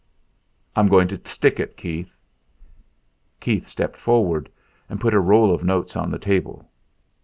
"I'm going to stick it, Keith." Keith stepped forward, and put a roll of notes on the table.